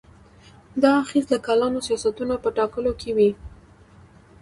دا اغېز د کلانو سیاستونو په ټاکلو کې وي.